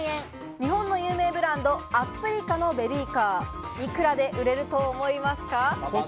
日本の有名ブランド・アップリカのベビーカー、いくらで売れると思いますか？